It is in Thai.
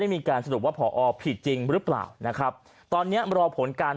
มีการสรุปว่าผอผิดจริงหรือเปล่านะครับตอนเนี้ยรอผลการ